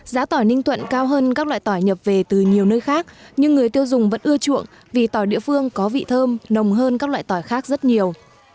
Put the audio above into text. giá tỏi ninh thuận cao hơn các loại tỏi nhập về từ nhiều nơi khác nhưng người tiêu dùng vẫn ưa chuộng vì tỏi địa phương có vị thơm nồng hơn các loại tỏi khác rất nhiều